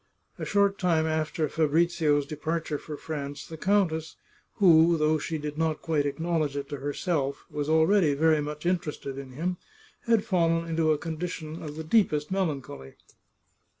A short time after Fabrizio's departure for France the countess, who, though she did not quite acknowledge it to herself, was already very much interested in him, had fallen into a con dition of the deepest melancholy.